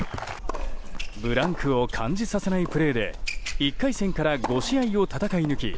ブランクを感じさせないプレーで１回戦から５試合を戦い抜き